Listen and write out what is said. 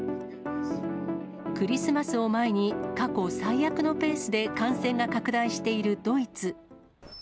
クリスマスを前に、過去最悪のペースで感染が拡大しているドイツ。